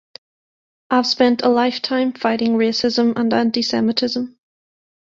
I've spent a lifetime fighting racism and anti-Semitism.